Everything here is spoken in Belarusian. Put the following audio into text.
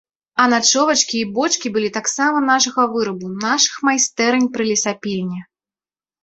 А начовачкі і бочкі былі таксама нашага вырабу, нашых майстэрань пры лесапільні.